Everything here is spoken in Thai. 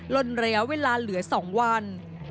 ล้นระยะเวลาเหลือ๒วัน